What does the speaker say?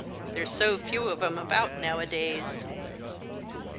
There's so few of 'em about nowadays